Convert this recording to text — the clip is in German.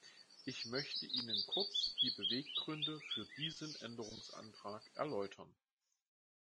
Ich möchte Ihnen kurz die Beweggründe für diesen Änderungsantrag erläutern.